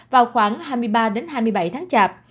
vào khoảng hai mươi ba hai mươi bảy tháng chạp